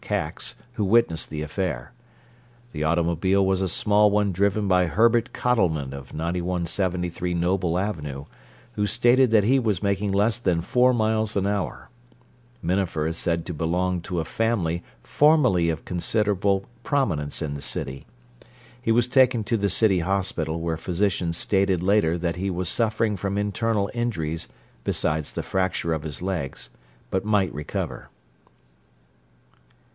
Kax, who witnessed the affair. The automobile was a small one driven by Herbert Cottleman of 9173 Noble Avenue who stated that he was making less than 4 miles an hour. Minafer is said to belong to a family formerly of considerable prominence in the city. He was taken to the City Hospital where physicians stated later that he was suffering from internal injuries besides the fracture of his legs but might recover.